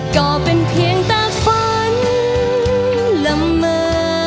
ก็เป็นเพียงแต่ฝันละเมอ